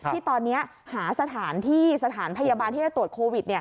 ที่ตอนนี้หาสถานที่สถานพยาบาลที่จะตรวจโควิด